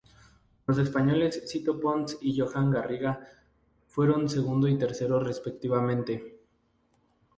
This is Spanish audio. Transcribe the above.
Los españoles Sito Pons y Joan Garriga fueron segundo y tercero respectivamente.